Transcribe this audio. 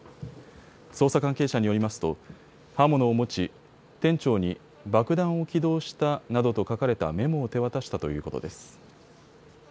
捜査関係者によりますと刃物を持ち、店長に爆弾を起動したなどと書かれたメモを手渡したということです。